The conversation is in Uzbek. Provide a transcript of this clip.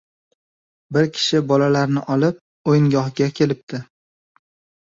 Bir kishi bolalarini olib, oʻyingohga kelibdi.